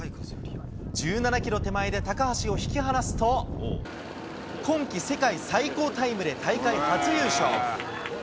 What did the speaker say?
１７キロ手前で高橋を引き離すと、今季世界最高タイムで大会初優勝。